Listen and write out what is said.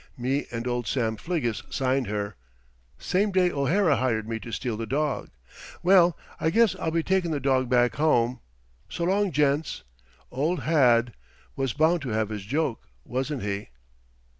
Me and old Sam Fliggis signed her same day O'Hara hired me to steal the dog. Well, I guess I'll be takin' the dog back home. So 'long, gents. Old Had' was bound to have his joke, wasn't he?"